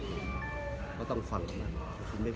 ก็ต้องฟังกับมันถ้าคุณไม่ฟังก็เลยวันนี้จะเสียงงาน